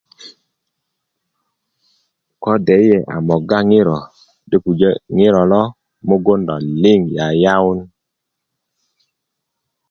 ko deyiye a mogga ŋiro do pujö ŋiro lo mugun lo liŋ yayawun